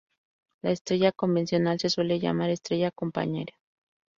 La estrella convencional se suele llamar estrella compañera.